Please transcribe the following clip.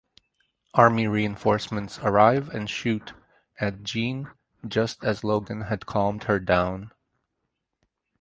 Army reinforcements arrive and shoot at Jean just as Logan had calmed her down.